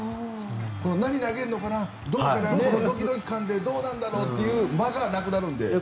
何投げるのかな、どうかなというドキドキ感どうなんだろうという間がなくなるので。